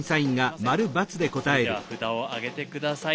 それでは札を上げて下さい。